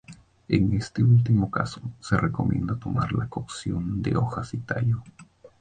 En este último caso se recomienda tomar la cocción de hojas y tallo.